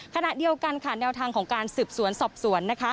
ขณะเดียวกันค่ะแนวทางของการสืบสวนสอบสวนนะคะ